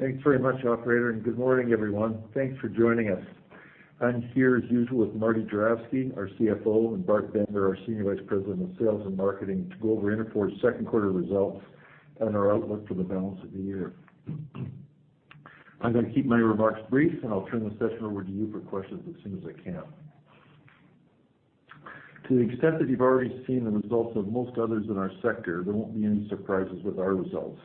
Thanks very much, operator, and good morning, everyone. Thanks for joining us. I'm here, as usual, with Marty Juravsky, our CFO, and Bart Bender, our Senior Vice President of Sales and Marketing, to go over Interfor's second quarter results and our outlook for the balance of the year. I'm gonna keep my remarks brief, and I'll turn the session over to you for questions as soon as I can. To the extent that you've already seen the results of most others in our sector, there won't be any surprises with our results,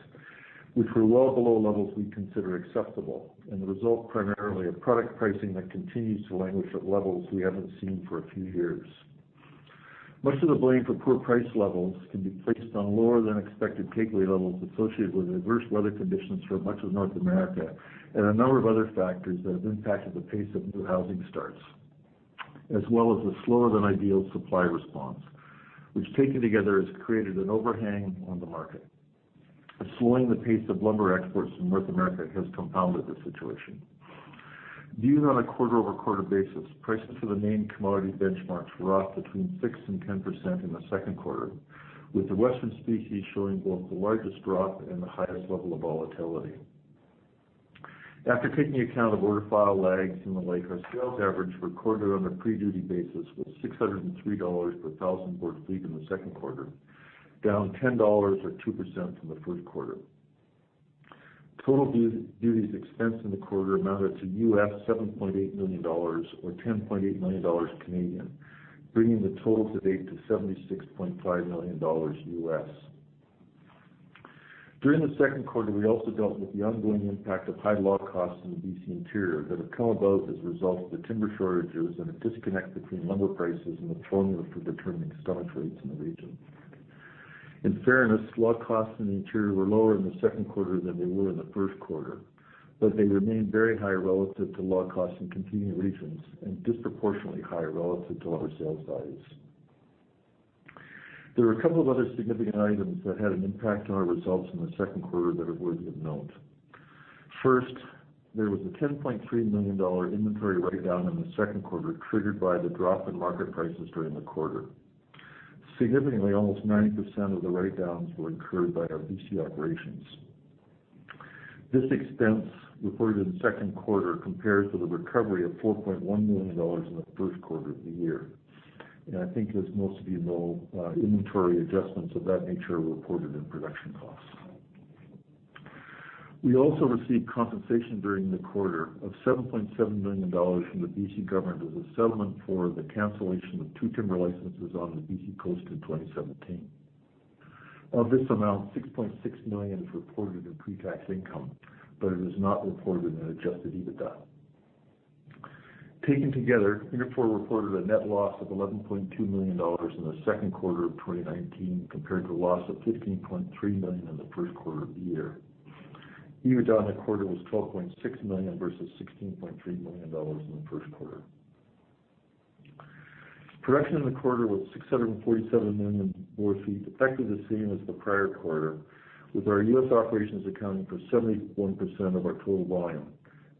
which were well below levels we consider acceptable and the result primarily of product pricing that continues to languish at levels we haven't seen for a few years. Much of the blame for poor price levels can be placed on lower-than-expected takeaway levels associated with adverse weather conditions for much of North America and a number of other factors that have impacted the pace of new housing starts, as well as a slower-than-ideal supply response, which taken together, has created an overhang on the market. A slowing of the pace of lumber exports from North America has compounded the situation. Viewed on a quarter-over-quarter basis, prices for the main commodity benchmarks were off 6%-10% in the second quarter, with the western species showing both the largest drop and the highest level of volatility. After taking account of order file lags and the like, our sales average recorded on a pre-duty basis was $603 per 1,000 board feet in the second quarter, down $10 or 2% from the first quarter. Total duties expense in the quarter amounted to $7.8 million, or 10.8 million Canadian dollars, bringing the total to date to $76.5 million. During the second quarter, we also dealt with the ongoing impact of high log costs in the BC Interior that have come about as a result of the timber shortages and a disconnect between lumber prices and the formula for determining stumpage rates in the region. In fairness, log costs in the Interior were lower in the second quarter than they were in the first quarter, but they remained very high relative to log costs in competing regions and disproportionately higher relative to lumber sales values. There were a couple of other significant items that had an impact on our results in the second quarter that are worthy of note. First, there was a 10.3 million dollar inventory write-down in the second quarter, triggered by the drop in market prices during the quarter. Significantly, almost 90% of the write-downs were incurred by our BC operations. This expense, reported in the second quarter, compares to the recovery of 4.1 million dollars in the first quarter of the year. I think as most of you know, inventory adjustments of that nature are reported in production costs. We also received compensation during the quarter of 7.7 million dollars from the BC government as a settlement for the cancellation of two timber licenses on the BC coast in 2017. Of this amount, 6.6 million is reported in pre-tax income, but it is not reported in the Adjusted EBITDA. Taken together, Interfor reported a net loss of $11.2 million in the second quarter of 2019, compared to a loss of $15.3 million in the first quarter of the year. EBITDA in the quarter was $12.6 million versus $16.3 million in the first quarter. Production in the quarter was 647 million board feet, effectively the same as the prior quarter, with our US operations accounting for 71% of our total volume,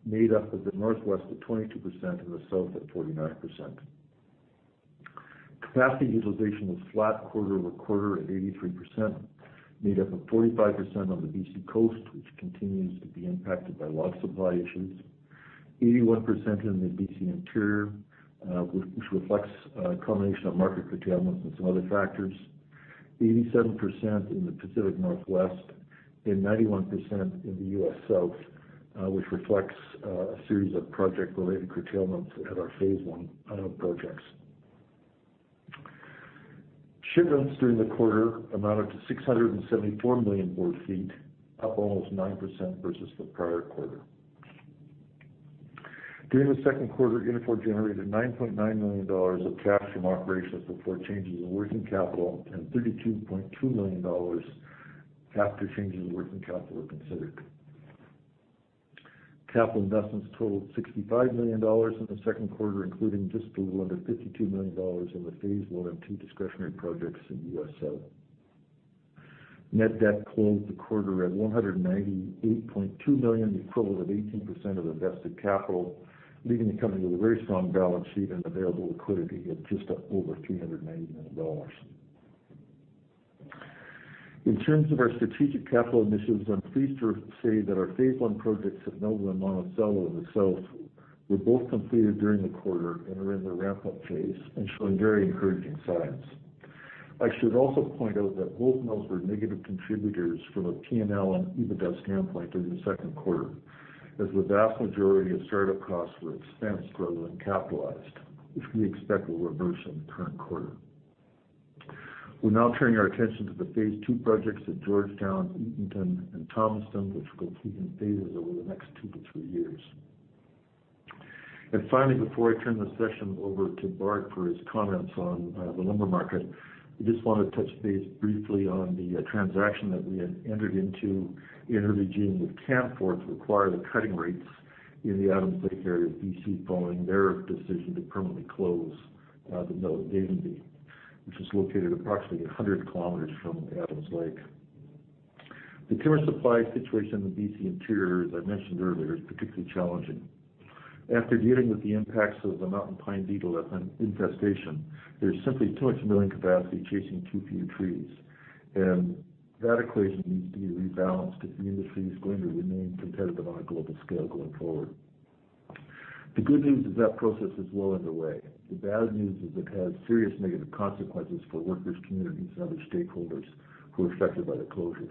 made up of the Northwest at 22% and the South at 49%. Capacity utilization was flat quarter-over-quarter at 83%, made up of 45% on the BC Coast, which continues to be impacted by log supply issues, 81% in the BC Interior, which reflects a combination of market curtailments and some other factors, 87% in the Pacific Northwest, and 91% in the US South, which reflects a series of project-related curtailments at our Phase One projects. Shipments during the quarter amounted to 674 million board feet, up almost 9% versus the prior quarter. During the second quarter, Interfor generated $9.9 million of cash from operations before changes in working capital and $32.2 million after changes in working capital were considered. Capital investments totaled 65 million dollars in the second quarter, including just a little under 52 million dollars in the Phase One and Two discretionary projects in US South. Net debt closed the quarter at 198.2 million, the equivalent of 18% of invested capital, leaving the company with a very strong balance sheet and available liquidity of just over 390 million dollars. In terms of our strategic capital initiatives, I'm pleased to say that our Phase One projects at Meldrim and Monticello in the South were both completed during the quarter and are in the ramp-up phase and showing very encouraging signs. I should also point out that both mills were negative contributors from a P&L and EBITDA standpoint during the second quarter, as the vast majority of start-up costs were expensed rather than capitalized, which we expect will reverse in the current quarter. We're now turning our attention to the Phase Two projects at Georgetown, Eatonton, and Thomaston, which will complete in phases over the next two to three years. Finally, before I turn the session over to Bart for his comments on the lumber market, I just want to touch base briefly on the transaction that we had entered into in early June with Canfor to acquire the cutting rights in the Adams Lake area of BC, following their decision to permanently close the mill at Vavenby, which is located approximately 100 kilometers from Adams Lake. The timber supply situation in the BC Interior, as I mentioned earlier, is particularly challenging.... After dealing with the impacts of the mountain pine beetle infestation, there's simply too much milling capacity chasing too few trees, and that equation needs to be rebalanced if the industry is going to remain competitive on a global scale going forward. The good news is that process is well underway. The bad news is it has serious negative consequences for workers, communities, and other stakeholders who are affected by the closures.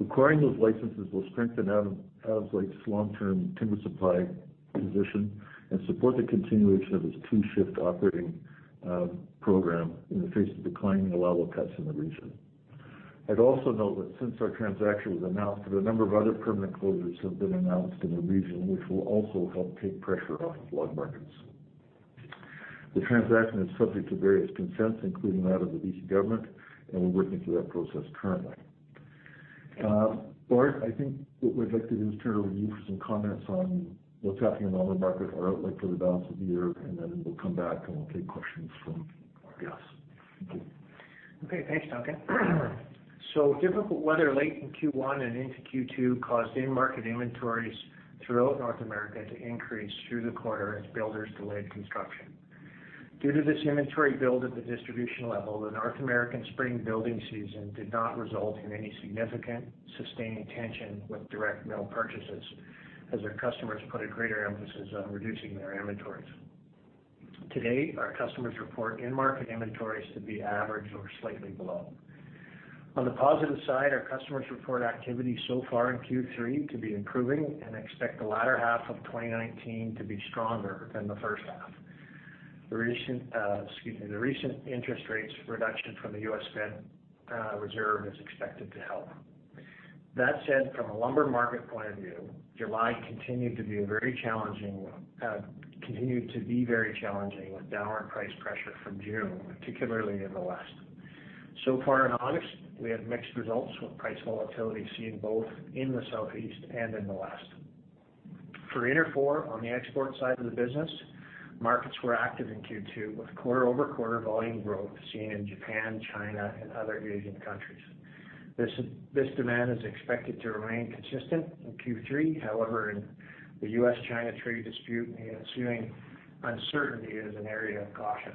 Acquiring those licenses will strengthen Adams Lake's long-term timber supply position and support the continuation of its two-shift operating program in the face of declining allowable cuts in the region. I'd also note that since our transaction was announced, that a number of other permanent closures have been announced in the region, which will also help take pressure off log markets. The transaction is subject to various consents, including that of the BC government, and we're working through that process currently. Bart, I think what we'd like to do is turn it over to you for some comments on what's happening in the lumber market, our outlook for the balance of the year, and then we'll come back, and we'll take questions from our guests. Thank you. Okay, thanks, Duncan. So difficult weather late in Q1 and into Q2 caused in-market inventories throughout North America to increase through the quarter as builders delayed construction. Due to this inventory build at the distribution level, the North American spring building season did not result in any significant, sustained tension with direct mill purchases, as our customers put a greater emphasis on reducing their inventories. Today, our customers report in-market inventories to be average or slightly below. On the positive side, our customers report activity so far in Q3 to be improving and expect the latter half of 2019 to be stronger than the first half. The recent, excuse me, interest rates reduction from the U.S. Federal Reserve is expected to help. That said, from a lumber market point of view, July continued to be a very challenging continued to be very challenging, with downward price pressure from June, particularly in the West. So far in August, we have mixed results, with price volatility seen both in the Southeast and in the West. For Interfor, on the export side of the business, markets were active in Q2, with quarter-over-quarter volume growth seen in Japan, China, and other Asian countries. This demand is expected to remain consistent in Q3. However, in the US-China trade dispute, the ensuing uncertainty is an area of caution.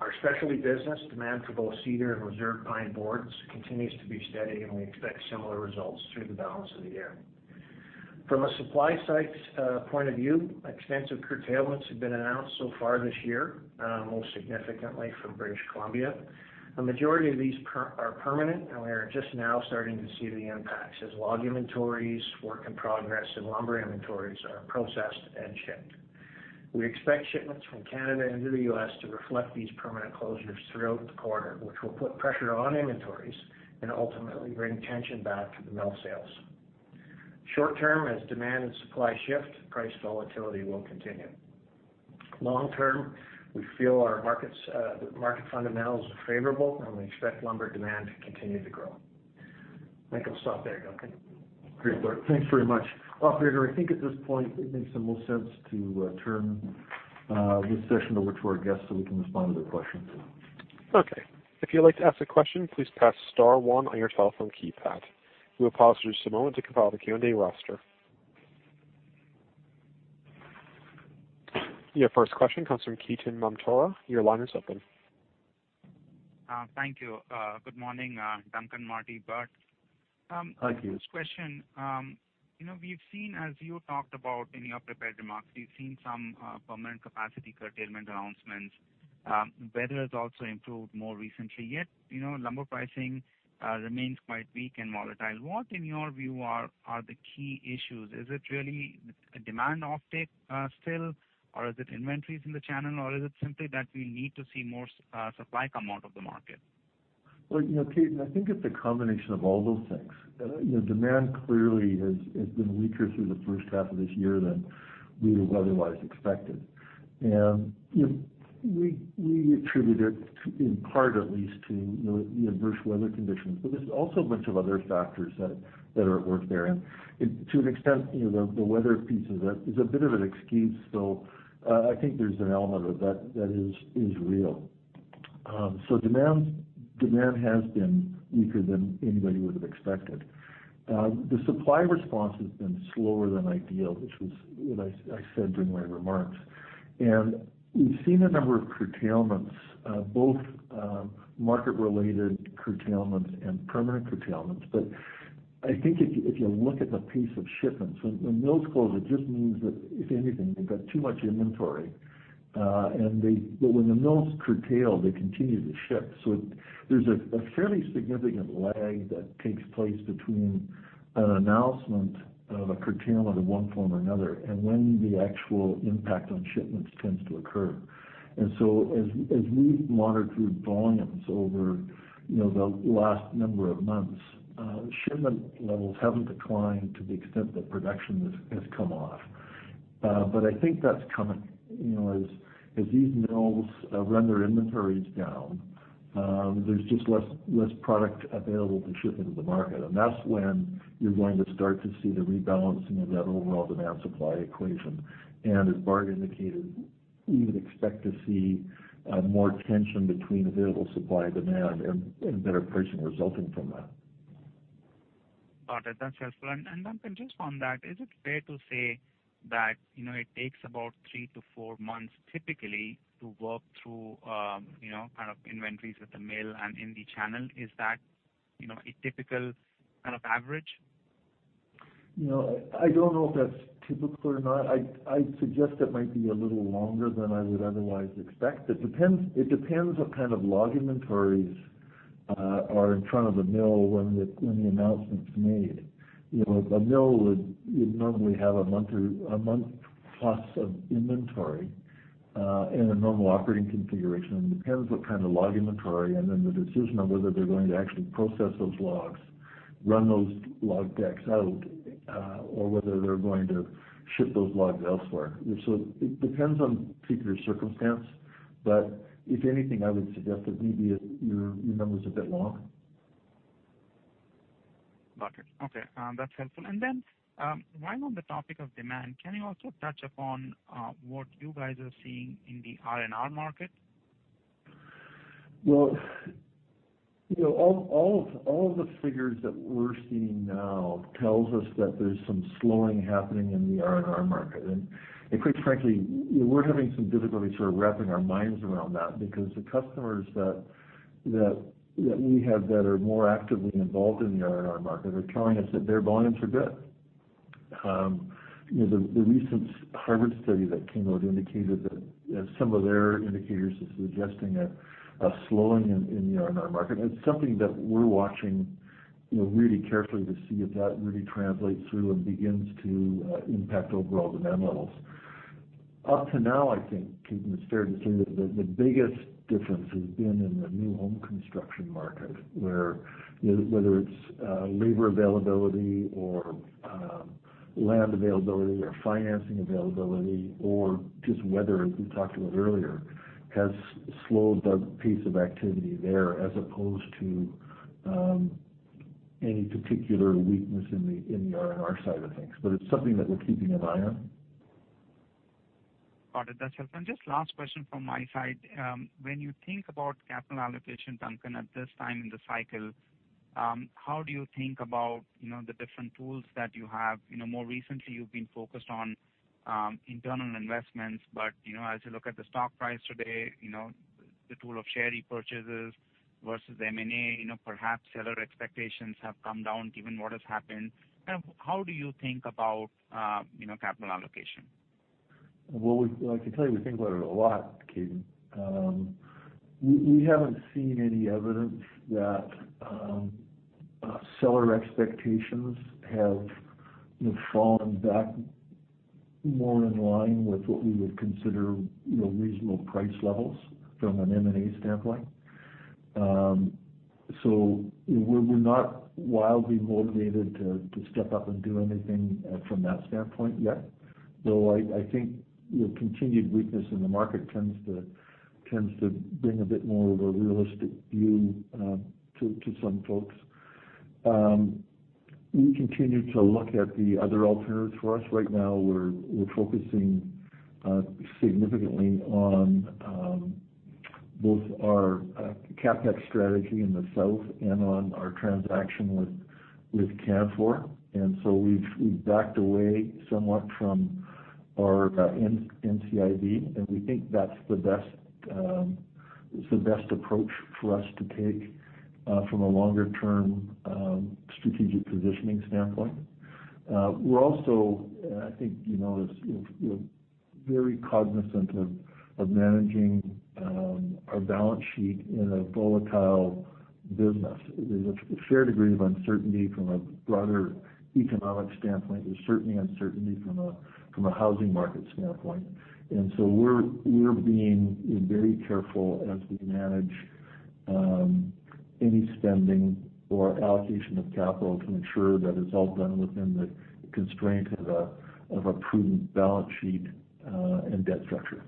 Our specialty business demand for both cedar and Reserve Pine boards continues to be steady, and we expect similar results through the balance of the year. From a supply side point of view, extensive curtailments have been announced so far this year, most significantly from British Columbia. The majority of these are permanent, and we are just now starting to see the impacts as log inventories, work in progress, and lumber inventories are processed and shipped. We expect shipments from Canada into the U.S. to reflect these permanent closures throughout the quarter, which will put pressure on inventories and ultimately bring tension back to the mill sales. Short term, as demand and supply shift, price volatility will continue. Long term, we feel our markets, the market fundamentals are favorable, and we expect lumber demand to continue to grow. I think I'll stop there, Duncan. Great, Bart. Thanks very much. Operator, I think at this point, it makes the most sense to turn this session over to our guests, so we can respond to their questions. Okay. If you'd like to ask a question, please press star one on your telephone keypad. We will pause just a moment to compile the Q&A roster. Your first question comes from Ketan Mamtora. Your line is open. Thank you. Good morning, Duncan, Marty, Bart. Thank you. First question. You know, we've seen, as you talked about in your prepared remarks, we've seen some permanent capacity curtailment announcements. Weather has also improved more recently, yet, you know, lumber pricing remains quite weak and volatile. What, in your view, are the key issues? Is it really a demand offtake still, or is it inventories in the channel, or is it simply that we need to see more supply come out of the market? Well, you know, Ketan, I think it's a combination of all those things. You know, demand clearly has been weaker through the first half of this year than we otherwise expected. And, you know, we attribute it to, in part, at least, to, you know, the adverse weather conditions. But there's also a bunch of other factors that are at work there. And to an extent, you know, the weather piece is a bit of an excuse, though, I think there's an element of that that is real. So demand has been weaker than anybody would have expected. The supply response has been slower than ideal, which was, you know, as I said during my remarks. And we've seen a number of curtailments, both market-related curtailments and permanent curtailments. But I think if you look at the pace of shipments, when mills close, it just means that, if anything, they've got too much inventory. But when the mills curtail, they continue to ship. So there's a fairly significant lag that takes place between an announcement of a curtailment of one form or another and when the actual impact on shipments tends to occur. And so as we monitor volumes over, you know, the last number of months, shipment levels haven't declined to the extent that production has come off. But I think that's coming. You know, as these mills run their inventories down, there's just less product available to ship into the market, and that's when you're going to start to see the rebalancing of that overall demand/supply equation. As Bart indicated, we would expect to see more tension between available supply and demand and better pricing resulting from that.... Got it, that's helpful. And then just on that, is it fair to say that, you know, it takes about 3-4 months typically to work through, you know, kind of inventories at the mill and in the channel? Is that, you know, a typical kind of average? You know, I don't know if that's typical or not. I'd suggest it might be a little longer than I would otherwise expect. It depends what kind of log inventories are in front of the mill when the announcement's made. You know, a mill would normally have a month or a month plus of inventory in a normal operating configuration. It depends what kind of log inventory, and then the decision on whether they're going to actually process those logs, run those log decks out, or whether they're going to ship those logs elsewhere. So it depends on particular circumstance, but if anything, I would suggest that maybe your number's a bit long. Got it. Okay, that's helpful. And then, while on the topic of demand, can you also touch upon what you guys are seeing in the R&R market? Well, you know, all the figures that we're seeing now tells us that there's some slowing happening in the R&R market. And quite frankly, we're having some difficulty sort of wrapping our minds around that because the customers that we have that are more actively involved in the R&R market are telling us that their volumes are good. You know, the recent Harvard study that came out indicated that some of their indicators are suggesting a slowing in the R&R market. It's something that we're watching, you know, really carefully to see if that really translates through and begins to impact overall demand levels. Up to now, I think, Ketan, it's fair to say that the, the biggest difference has been in the new home construction market, where, you know, whether it's, labor availability or, land availability or financing availability, or just weather, as we talked about earlier, has slowed the pace of activity there as opposed to, any particular weakness in the, in the R&R side of things. But it's something that we're keeping an eye on. Got it. That's helpful. Just last question from my side. When you think about capital allocation, Duncan, at this time in the cycle, how do you think about, you know, the different tools that you have? You know, more recently, you've been focused on internal investments, but, you know, as you look at the stock price today, you know, the tool of share repurchases versus M&A, you know, perhaps seller expectations have come down given what has happened. Kind of how do you think about, you know, capital allocation? Well, I can tell you, we think about it a lot, Ketan. We haven't seen any evidence that seller expectations have, you know, fallen back more in line with what we would consider, you know, reasonable price levels from an M&A standpoint. So we're not wildly motivated to step up and do anything from that standpoint yet, though I think the continued weakness in the market tends to bring a bit more of a realistic view to some folks. We continue to look at the other alternatives for us. Right now, we're focusing significantly on both our CapEx strategy in the south and on our transaction with Canfor. And so we've backed away somewhat from our NCIB, and we think that's the best, it's the best approach for us to take from a longer term strategic positioning standpoint. We're also, I think, you know, as you know, very cognizant of managing our balance sheet in a volatile business. There's a fair degree of uncertainty from a broader economic standpoint. There's certainly uncertainty from a housing market standpoint. And so we're being very careful as we manage any spending or allocation of capital to ensure that it's all done within the constraint of a prudent balance sheet and debt structure.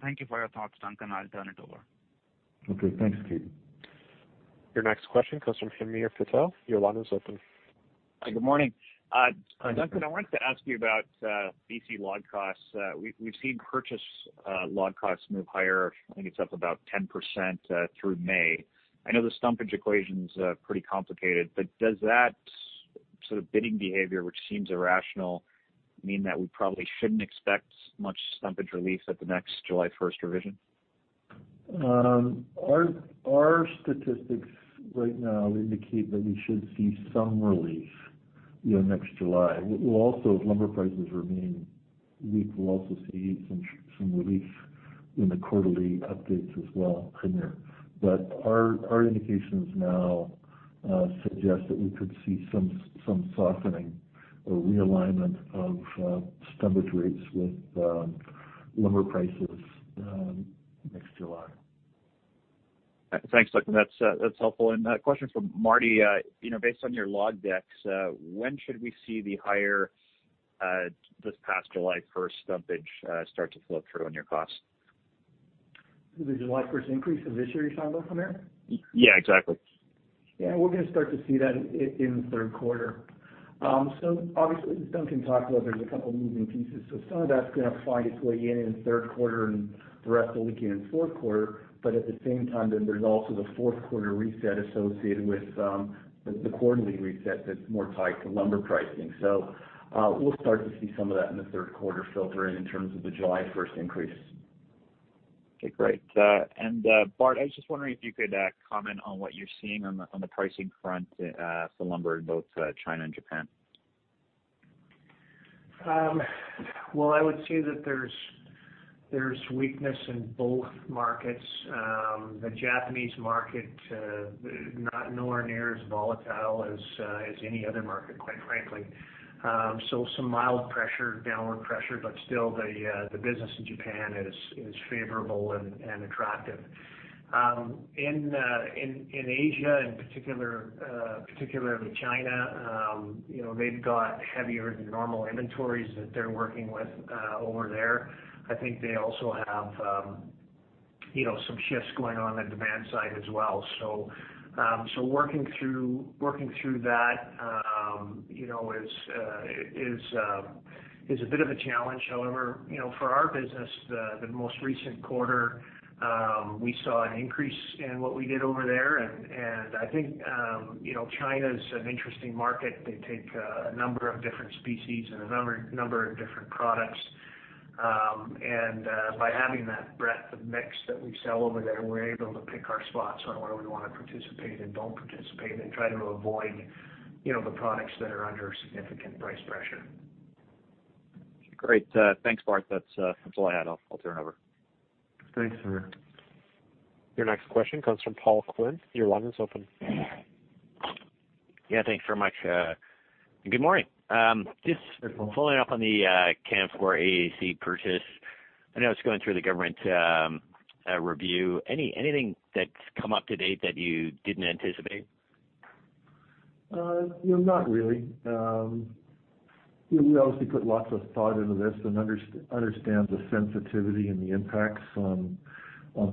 Thank you for your thoughts, Duncan. I'll turn it over. Okay. Thanks, Ketan. Your next question comes from Hamir Patel. Your line is open. Hi, good morning. Hi, Hamir. Duncan, I wanted to ask you about BC log costs. We've seen purchase log costs move higher. I think it's up about 10% through May. I know the stumpage equation's pretty complicated, but does that sort of bidding behavior, which seems irrational, mean that we probably shouldn't expect much stumpage relief at the next July 1st revision? Our statistics right now indicate that we should see some relief, you know, next July. We'll also, if lumber prices remain weak, we'll also see some relief in the quarterly updates as well, Hamir. But our indications now suggest that we could see some softening or realignment of stumpage rates with lumber prices next July. Thanks, Duncan. That's helpful. A question from Marty. You know, based on your log decks, when should we see the higher, this past July 1st stumpage start to flow through on your costs? The July 1st increase of this year, you're talking about, Hamir? Yeah, exactly. Yeah, we're gonna start to see that in the third quarter. so obviously, as Duncan talked about, there's a couple of moving pieces. So some of that's gonna find its way in, in the third quarter, and the rest will leak in in the fourth quarter. But at the same time, then there's also the fourth quarter reset associated with the quarterly reset that's more tied to lumber pricing. So, we'll start to see some of that in the third quarter filter in terms of the July 1st increase. Okay, great. Bart, I was just wondering if you could comment on what you're seeing on the pricing front for lumber in both China and Japan. I would say that there's weakness in both markets. The Japanese market not nowhere near as volatile as any other market, quite frankly. So some mild pressure, downward pressure, but still, the business in Japan is favorable and attractive. In Asia, in particular, particularly China, you know, they've got heavier than normal inventories that they're working with over there. I think they also have you know, some shifts going on the demand side as well. So working through that you know is a bit of a challenge. However, you know, for our business, the most recent quarter, we saw an increase in what we did over there. And I think you know, China's an interesting market. They take a number of different species and a number of different products. By having that breadth of mix that we sell over there, we're able to pick our spots on where we wanna participate and don't participate and try to avoid, you know, the products that are under significant price pressure. Great. Thanks, Bart. That's, that's all I had. I'll, I'll turn it over. Thanks, Hamir. Your next question comes from Paul Quinn. Your line is open. Yeah, thanks very much. Good morning. Hi, Paul. Following up on the Canfor AAC purchase. I know it's going through the government review. Anything that's come up to date that you didn't anticipate? You know, not really. We obviously put lots of thought into this and understand the sensitivity and the impacts on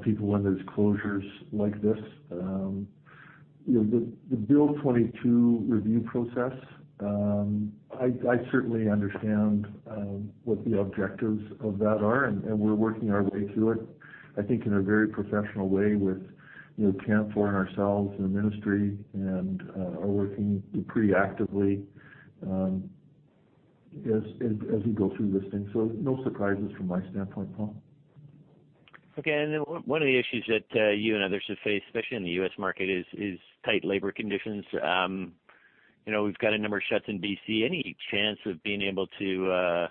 people when there's closures like this. You know, the Bill 22 review process, I certainly understand what the objectives of that are, and we're working our way through it, I think, in a very professional way with Canfor and ourselves and the ministry, and are working pretty actively as we go through this thing. So no surprises from my standpoint, Paul. Okay. And then one of the issues that you and others have faced, especially in the U.S. market, is tight labor conditions. You know, we've got a number of shuts in BC. Any chance of being able to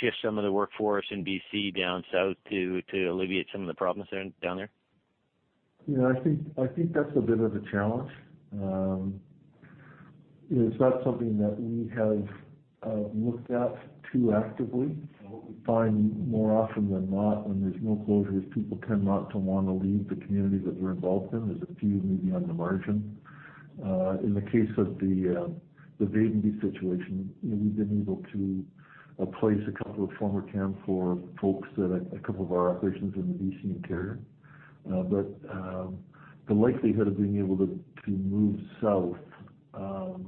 shift some of the workforce in BC down south to alleviate some of the problems there, down there? You know, I think, I think that's a bit of a challenge. It's not something that we have looked at too actively. What we find more often than not, when there's mill closures, people tend not to wanna leave the community that they're involved in. There's a few maybe on the margin. In the case of the Vavenby situation, you know, we've been able to place a couple of former Canfor folks at a couple of our operations in the BC Interior. But the likelihood of being able to move south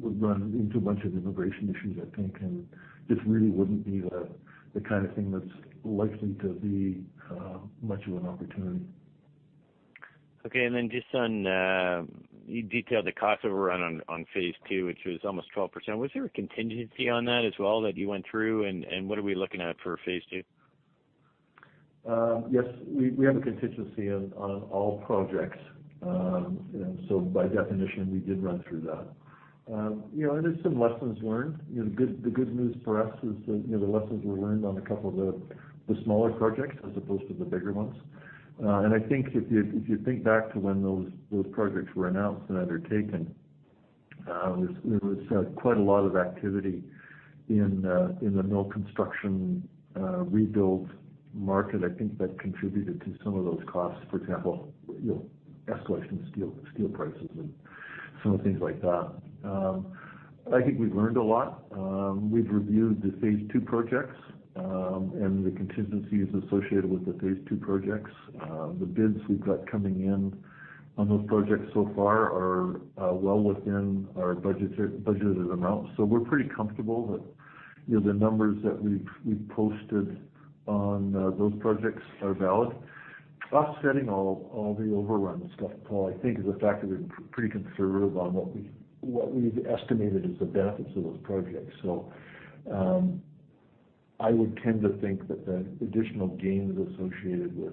would run into a bunch of immigration issues, I think, and just really wouldn't be the kind of thing that's likely to be much of an opportunity. Okay. And then just on, You detailed the cost overrun on, on phase two, which was almost 12%. Was there a contingency on that as well, that you went through, and, and what are we looking at for phase two? Yes, we have a contingency on all projects. So by definition, we did run through that. You know, and there's some lessons learned. You know, the good news for us is that, you know, the lessons were learned on a couple of the smaller projects as opposed to the bigger ones. And I think if you think back to when those projects were announced and undertaken, there was quite a lot of activity in the mill construction rebuild market. I think that contributed to some of those costs. For example, you know, escalation in steel prices and some things like that. I think we've learned a lot. We've reviewed the phase two projects and the contingencies associated with the phase two projects. The bids we've got coming in on those projects so far are well within our budgeted amounts. So we're pretty comfortable that, you know, the numbers that we've posted on those projects are valid. Offsetting all the overrun stuff, Paul, I think, is the fact that we're pretty conservative on what we've estimated as the benefits of those projects. So I would tend to think that the additional gains associated with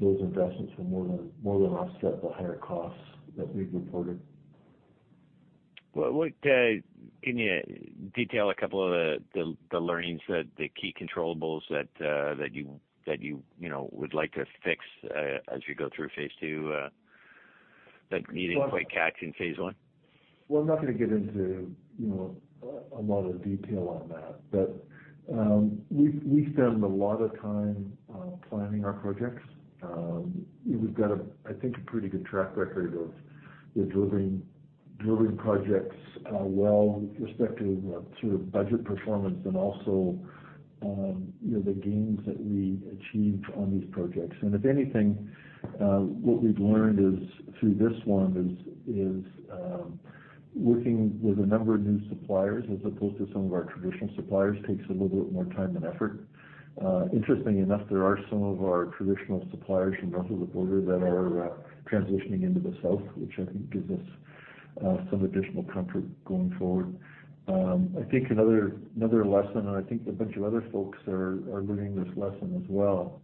those investments will more than offset the higher costs that we've reported. Well, what can you detail a couple of the learnings that the key controllables that you you know would like to fix as you go through phase two that you didn't quite catch in phase one? Well, I'm not gonna get into, you know, a lot of detail on that. But we spend a lot of time planning our projects. We've got, I think, a pretty good track record of, you know, delivering projects well with respect to sort of budget performance and also, you know, the gains that we achieved on these projects. And if anything, what we've learned is, through this one, working with a number of new suppliers, as opposed to some of our traditional suppliers, takes a little bit more time and effort. Interestingly enough, there are some of our traditional suppliers from north of the border that are transitioning into the south, which I think gives us some additional comfort going forward. I think another lesson, and I think a bunch of other folks are learning this lesson as well,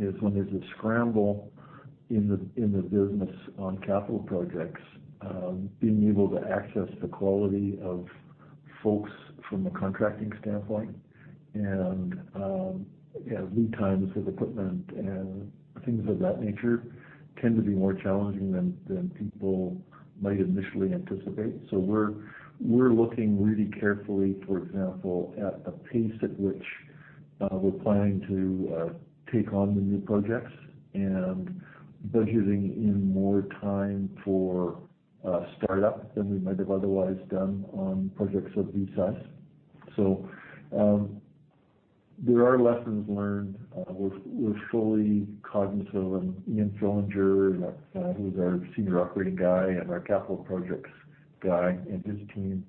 is when there's a scramble in the business on capital projects, being able to access the quality of folks from a contracting standpoint, and yeah, lead times with equipment and things of that nature tend to be more challenging than people might initially anticipate. So we're looking really carefully, for example, at the pace at which we're planning to take on the new projects and budgeting in more time for startup than we might have otherwise done on projects of this size. So there are lessons learned. We're fully cognizant of, and Ian Fillinger, who's our senior operating guy and our capital projects guy, and his team,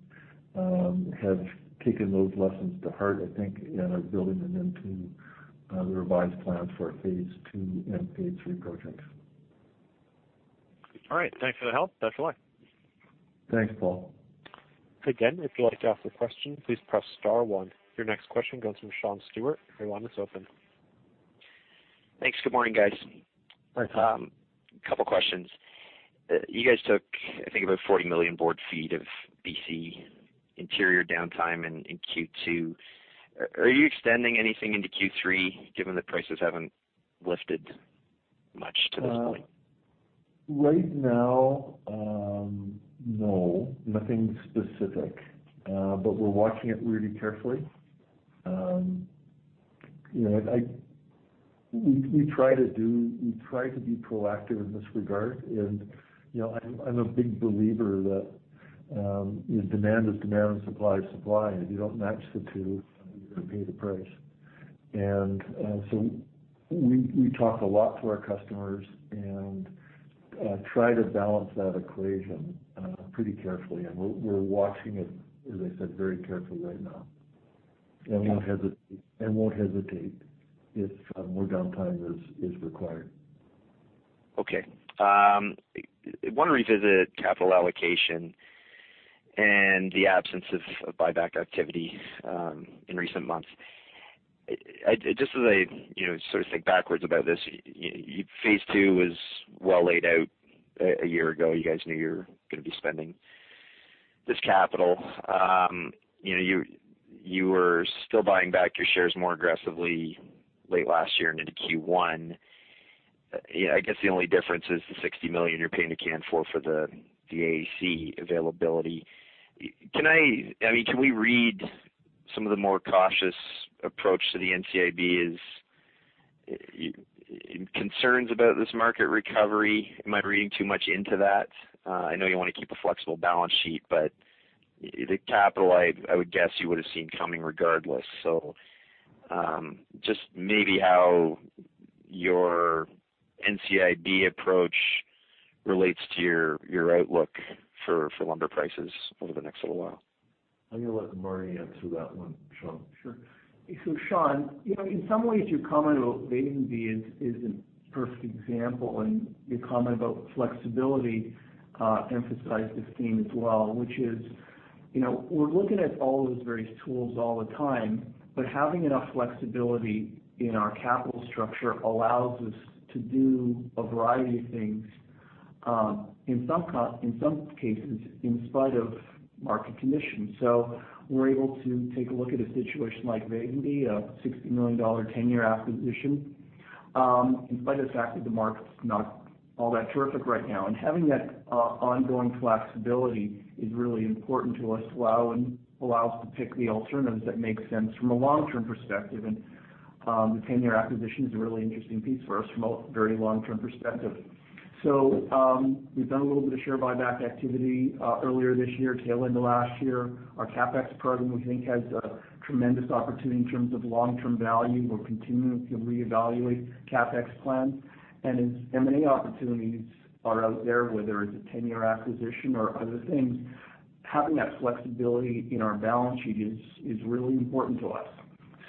have taken those lessons to heart, I think, and are building them into the revised plans for our phase two and phase three projects. All right. Thanks for the help. That's all I. Thanks, Paul. Again, if you'd like to ask a question, please press star one. Your next question comes from Sean Steuart. Your line is open. Thanks. Good morning, guys. Hi, Sean. A couple questions. You guys took, I think, about 40 million board feet of BC Interior downtime in Q2. Are you extending anything into Q3, given that prices haven't lifted much to this point? Right now, no, nothing specific, but we're watching it really carefully. You know, we try to be proactive in this regard. You know, I'm a big believer that demand is demand and supply is supply. If you don't match the two, you're gonna pay the price. So we talk a lot to our customers and try to balance that equation pretty carefully, and we're watching it, as I said, very carefully right now. And we won't hesitate if more downtime is required. Okay. I want to revisit capital allocation and the absence of buyback activity in recent months. Just as I, you know, sort of think backwards about this, you phase two was well laid out a year ago. You guys knew you were gonna be spending this capital. You know, you were still buying back your shares more aggressively late last year into Q1. I guess the only difference is the 60 million you're paying to Canfor for the AAC availability. Can I... I mean, can we read some of the more cautious approach to the NCIB as concerns about this market recovery? Am I reading too much into that? I know you want to keep a flexible balance sheet, but the capital, I would guess you would have seen coming regardless. Just maybe how your NCIB approach relates to your, your outlook for, for lumber prices over the next little while? I'm gonna let Marty answer that one, Sean. Sure. So, Sean, you know, in some ways, your comment about Vavenby is a perfect example, and your comment about flexibility emphasized this theme as well, which is, you know, we're looking at all those various tools all the time, but having enough flexibility in our capital structure allows us to do a variety of things, in some cases, in spite of market conditions. So we're able to take a look at a situation like Vavenby, a 60 million dollar, tenure acquisition, in spite of the fact that the market's not all that terrific right now. And having that ongoing flexibility is really important to us to allow us to pick the alternatives that make sense from a long-term perspective. And the tenure acquisition is a really interesting piece for us from a very long-term perspective. So, we've done a little bit of share buyback activity, earlier this year, tail end of last year. Our CapEx program, we think, has a tremendous opportunity in terms of long-term value. We're continuing to reevaluate CapEx plans. And as M&A opportunities are out there, whether it's a tenure acquisition or other things, having that flexibility in our balance sheet is, is really important to us.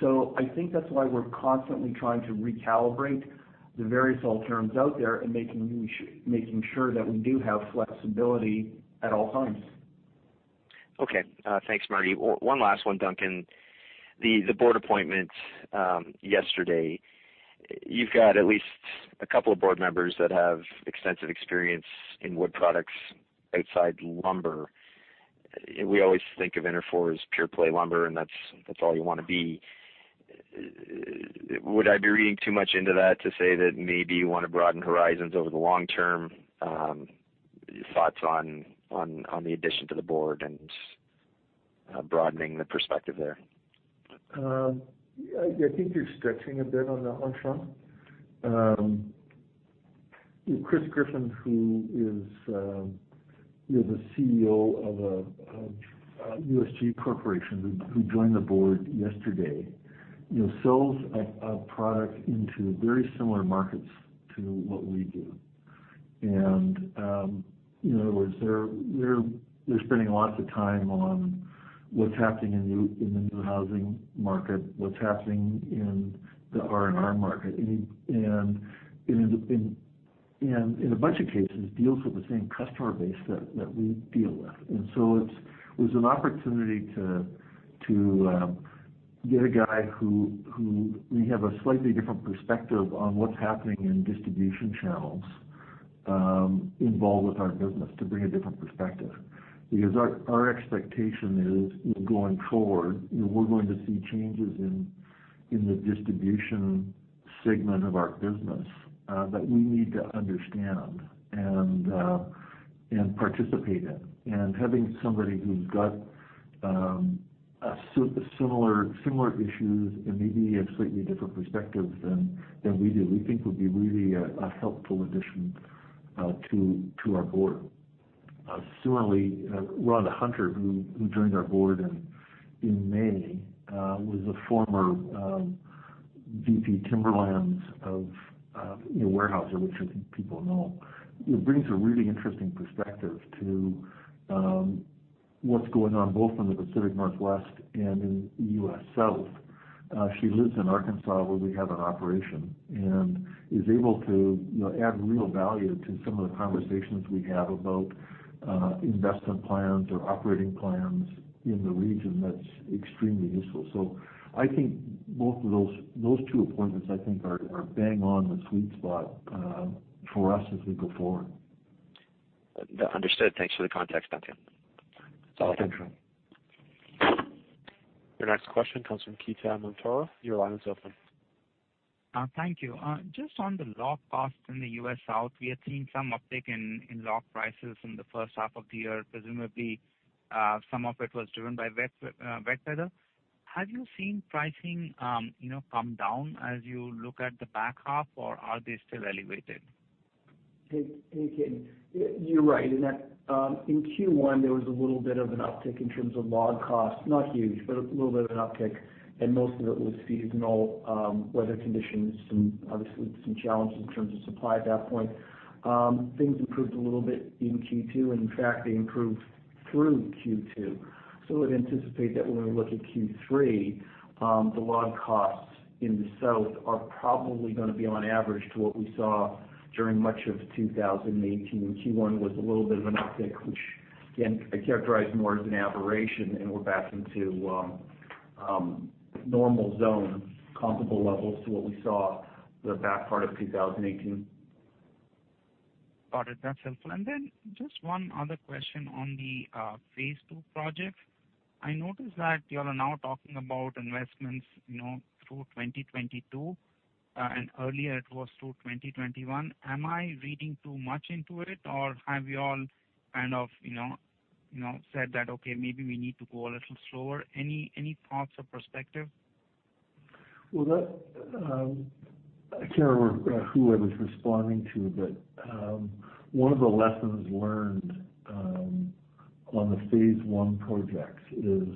So I think that's why we're constantly trying to recalibrate the various alternatives out there and making sure, making sure that we do have flexibility at all times. Okay. Thanks, Marty. One last one, Duncan. The board appointment yesterday, you've got at least a couple of board members that have extensive experience in wood products outside lumber. We always think of Interfor as pure play lumber, and that's all you want to be. Would I be reading too much into that to say that maybe you want to broaden horizons over the long term? Thoughts on the addition to the board and broadening the perspective there? I think you're stretching a bit on that one, Sean. Chris Griffin, who is, you know, the CEO of USG Corporation, who joined the board yesterday. You know, sells a product into very similar markets to what we do. And, you know, whereas they're spending lots of time on what's happening in the new housing market, what's happening in the R&R market. And in a bunch of cases, deals with the same customer base that we deal with. And so it was an opportunity to get a guy who may have a slightly different perspective on what's happening in distribution channels, involved with our business to bring a different perspective. Because our expectation is, going forward, you know, we're going to see changes in the distribution segment of our business that we need to understand and participate in. And having somebody who's got a similar, similar issues and maybe a slightly different perspective than we do, we think would be really a helpful addition to our board. Similarly, Rhonda Hunter, who joined our board in May, was a former VP Timberlands of, you know, Weyerhaeuser, which I think people know. It brings a really interesting perspective to what's going on, both in the Pacific Northwest and in the U.S. South. She lives in Arkansas, where we have an operation, and is able to, you know, add real value to some of the conversations we have about investment plans or operating plans in the region. That's extremely useful. So I think both of those, those two appointments, I think, are, are bang on the sweet spot, for us as we go forward. Understood. Thanks for the context, Duncan. Thank you. Your next question comes from Ketan Mamtora. Your line is open. Thank you. Just on the log costs in the U.S. South, we are seeing some uptick in log prices in the first half of the year. Presumably, some of it was driven by wet weather. Have you seen pricing, you know, come down as you look at the back half, or are they still elevated? Hey, hey, Ketan. You're right in that, in Q1, there was a little bit of an uptick in terms of log costs. Not huge, but a little bit of an uptick, and most of it was seasonal, weather conditions and obviously some challenges in terms of supply at that point. Things improved a little bit in Q2, and in fact, they improved through Q2. So I'd anticipate that when we look at Q3, the log costs in the South are probably gonna be on average to what we saw during much of 2018. Q1 was a little bit of an uptick, which, again, I characterize more as an aberration, and we're back into, normal zone, comparable levels to what we saw the back part of 2018. Got it. That's helpful. And then just one other question on the Phase Two project. I noticed that you are now talking about investments, you know, through 2022, and earlier it was through 2021. Am I reading too much into it, or have you all kind of, you know, you know, said that, "Okay, maybe we need to go a little slower?" Any thoughts or perspective? Well, that, I can't remember who I was responding to, but one of the lessons learned on the phase one projects is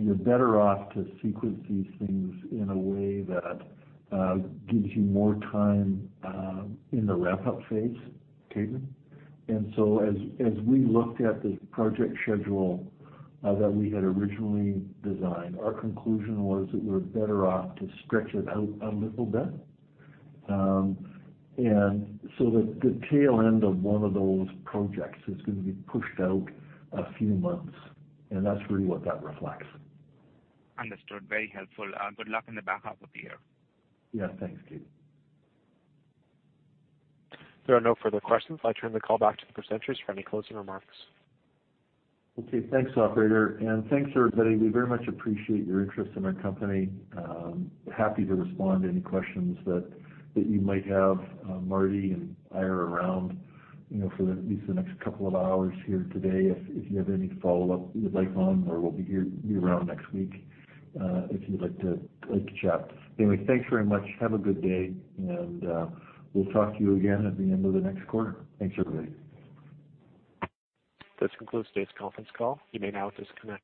you're better off to sequence these things in a way that gives you more time in the wrap-up phase, Ketan. And so as we looked at the project schedule that we had originally designed, our conclusion was that we're better off to stretch it out a little bit. And so the tail end of one of those projects is gonna be pushed out a few months, and that's really what that reflects. Understood. Very helpful. Good luck in the back half of the year. Yeah, thanks, Ketan. There are no further questions. I turn the call back to the presenters for any closing remarks. Okay, thanks, operator, and thanks, everybody. We very much appreciate your interest in our company. Happy to respond to any questions that you might have. Marty and I are around, you know, for at least the next couple of hours here today, if you have any follow-up you would like on, or we'll be here, be around next week, if you'd like to, like to chat. Anyway, thanks very much. Have a good day, and we'll talk to you again at the end of the next quarter. Thanks, everybody. This concludes today's conference call. You may now disconnect.